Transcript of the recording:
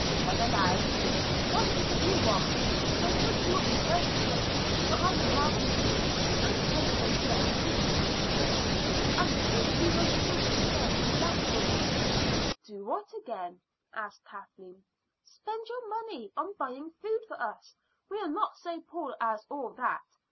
Then aloud: "What is it you want? I hope you will be very quick, for I am rather sleepy and intend to go to bed soon." "I hope you won't do it again, that's all." "Do what again?" asked Kathleen. "Spend your money on buying food for us. We are not so poor as all that.